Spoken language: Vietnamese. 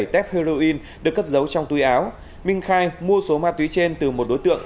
hai mươi bảy tép heroin được cất giấu trong tuy áo minh khai mua số ma túy trên từ một đối tượng